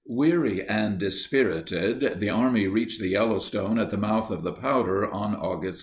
Weary and dispirited, the army reached the Yel lowstone at the mouth of the Powder on August 17.